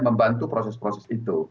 membantu proses proses itu